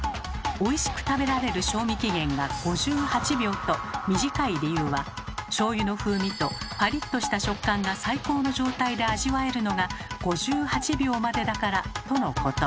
おいしく食べられる賞味期限が５８秒と短い理由はしょうゆの風味とパリッとした食感が最高の状態で味わえるのが５８秒までだからとのこと。